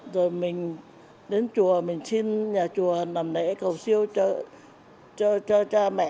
rồi mình đến chùa mình xin nhà chùa làm lễ cầu siêu trợ cho cha mẹ